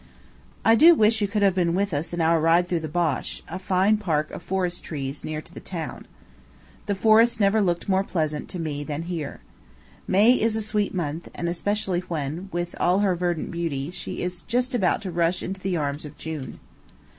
I do wish you could have been with us in our ride through the Bosch, a fine park of forest trees near to the town. The forest never looked more pleasant to me than here. May is a sweet month, and especially when, with all her verdant beauty, she is just about to rush into the arms of June.